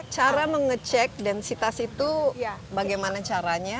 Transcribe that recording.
cara mengecek densitas itu bagaimana caranya